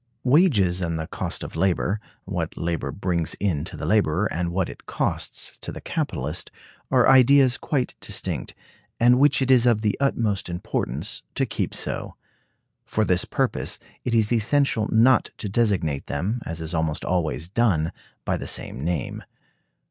Wages and the cost of labor; what labor brings in to the laborer and what it costs to the capitalist are ideas quite distinct, and which it is of the utmost importance to keep so. For this purpose it is essential not to designate them, as is almost always done, by the same name.